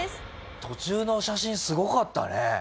途中の写真すごかったね。